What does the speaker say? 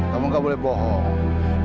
kamu gak boleh bohong